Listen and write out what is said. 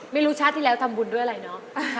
ไม่รู้ชาติที่แล้วทำบุญด้วยอะไรเนอะ